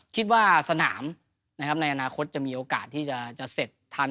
คิดว่าสนามในอนาคตจะมีโอกาสที่จะเสร็จทัน